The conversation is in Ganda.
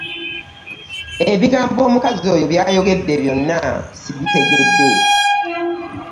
Ebigambo omukazi oyo byayogedde byonna ssibitegedde.